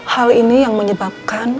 hal ini yang menyebabkan